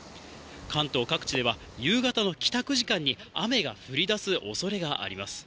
関東各地では、夕方の帰宅時間に雨が降りだすおそれがあります。